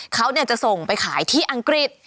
เขาจะส่งไปขายที่อังกฤษ